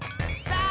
さあ！